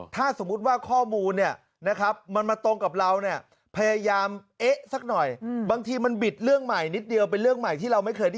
ถ้าสมมติว่าข้อมูลมาตรงกับเรา